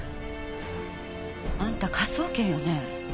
あんた科捜研よね。